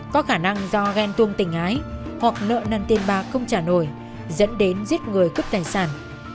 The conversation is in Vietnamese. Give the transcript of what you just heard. có khả năng do ghen tuông tình ái hoặc nợ nần tiền bạc không trả nổi dẫn đến giết người cướp tài sản